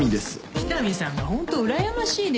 北見さんがホントうらやましいですよ。